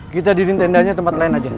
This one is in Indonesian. kita diin tendanya tempat lain aja